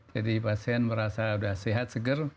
jadi pasien merasa sudah sehat segar